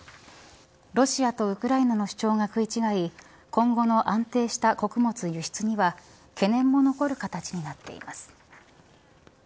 ロシアとウクライナの主張が食い違い今後の安定した穀物輸出には懸念も残る形になっています。